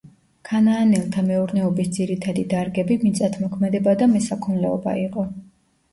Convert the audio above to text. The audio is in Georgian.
ქანაანელთა მეურნეობის ძირითადი დარგები მიწათმოქმედება და მესაქონლეობა იყო.